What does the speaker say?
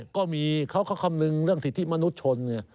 ก็มีเขาก็คำนึงเรื่องสิทธิมนุษยชน